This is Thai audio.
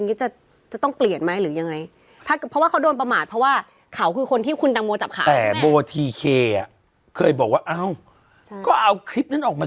งี่จะต้องเปลี่ยนไหมหรือยังไง